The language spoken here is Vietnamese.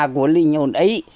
của linh hồn ấy